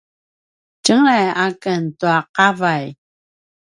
tjengelay aken tua qavay